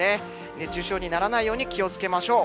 熱中症にならないように気をつけましょう。